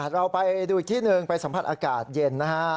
เราไปดูอีกที่หนึ่งไปสัมผัสอากาศเย็นนะฮะ